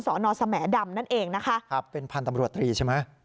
สอนอสแหมดำนั่นเองนะคะครับเป็นพันธุ์ตำรวจตรีใช่ไหม